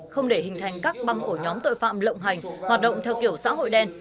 không để hình thành các băng ổ nhóm tội phạm lộng hành hoạt động theo kiểu xã hội đen